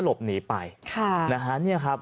หลบหนีไป